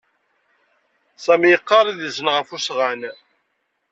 Sami yeqqar idlisen ɣef usɣan.